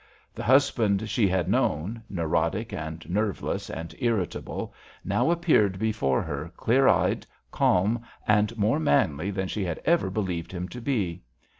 The husband she had known, neurotic and nerveless and irritable, now appeared before her clear eyed, calm and more manly than she had ever believed him to be.